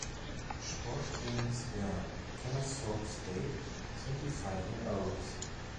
Die Sportteams der Kennesaw State sind die "Fighting Owls".